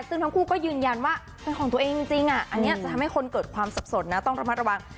ซึ่งทั้งคู่ก็ยืนยันว่าเป็นของตัวเองจริงอันนี้จะทำให้คนเกิดความสับสนนะต้องระมัดระวัง